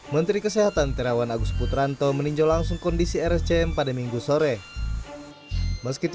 menteri kesehatan tirawan agus putranto meninjau langsung kondisi rs cm pada minggu sore meski